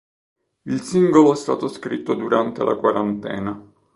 Il singolo è stato scritto durante la quarantena.